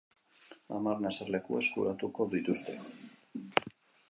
Hamarna eserleku eskuratuko dituzte.